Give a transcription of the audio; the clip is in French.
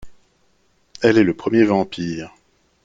Elle est le premier vampire.